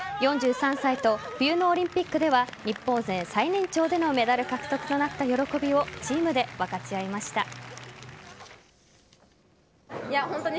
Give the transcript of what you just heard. ４３歳と、冬のオリンピックでは日本勢最年長でのメダル獲得となった喜びをチームで分かち合いました。